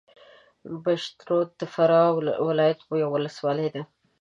پشترود د فراه ولایت یوه ولسوالۍ ده